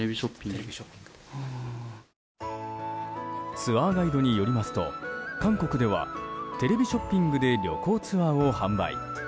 ツアーガイドによりますと韓国ではテレビショッピングで旅行ツアーを販売。